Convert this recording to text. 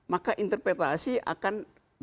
maka interpretasi akan